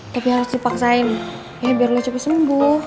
tapi harus dipaksain ya biar lu cepet sembuh